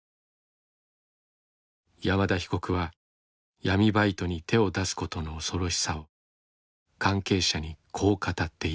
山田被告は闇バイトに手を出すことの恐ろしさを関係者にこう語っている。